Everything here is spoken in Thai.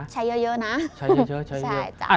ใช้เยอะนะ